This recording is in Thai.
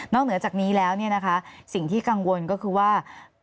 นอกเหนือจากนี้แล้วเนี่ยนะคะสิ่งที่กังวลก็คือว่า